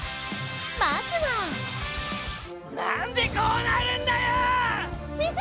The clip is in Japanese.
まずは何でこうなるんだよー！